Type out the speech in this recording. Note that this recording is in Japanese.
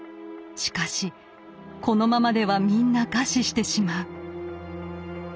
しかしこのままではみんな餓死してしまう。